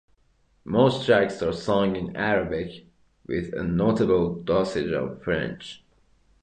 Most tracks are sung in Arabic, with a notable dosage of French.